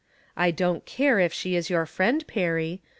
I don't care if she is your friend. Perry.